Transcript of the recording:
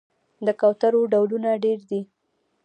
د کوترو ډولونه ډیر دي